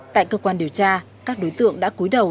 tại cơ quan điều tra các đối tượng đã cúi đầu